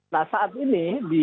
nah saat ini di